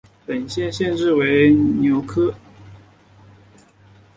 本县县治为纽柯克。